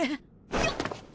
よっ！